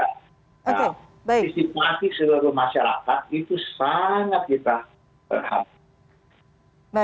nah antisipasi seluruh masyarakat itu sangat kita perhatikan